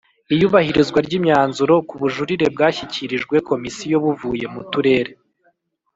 Iyubahirizwa ry imyanzuro k ubujurire bwashyikirijwe Komisiyo buvuye mu Turere